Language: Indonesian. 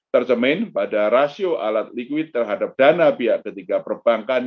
tercemin pada rasio alat likuid terhadap dana pihak ketiga perbankan